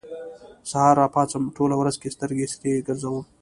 سهار راپاڅم، ټوله ورځ کې سترګې سرې ګرځوم